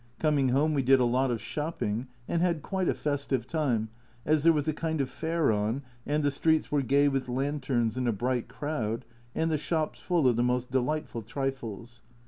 Coming home we did a lot of shopping, and had quite a festive time, as there was a kind of fair on and the streets were gay with lanterns and a bright crowd, and the shops full of the most delightful trifles.